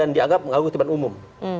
dianggap mengganggu tiba tiba umum